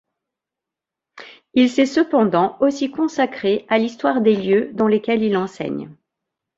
Il s'est cependant aussi consacré à l'histoire des lieux dans lesquels il enseigne.